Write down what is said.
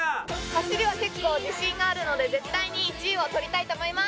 走りは結構自信があるので絶対に１位を取りたいと思います！